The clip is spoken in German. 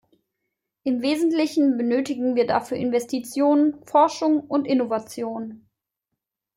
Im Wesentlichen benötigen wir dafür Investitionen, Forschung und Innovation.